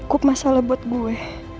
cukup masalah buat gue